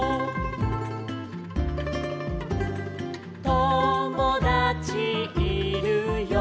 「ともだちいるよ」